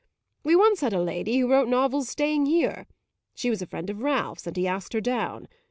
We once had a lady who wrote novels staying here; she was a friend of Ralph's and he asked her down.